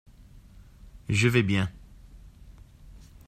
Je vais bien.